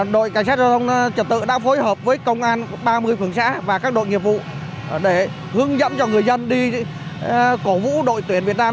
đội cảnh sát giao thông trật tự đã phối hợp với công an ba mươi phường xã và các đội nghiệp vụ để hướng dẫn cho người dân đi cổ vũ đội tuyển việt nam